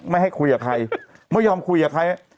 ไม่ให้คุยกับใครไม่ยอมคุยกับใคร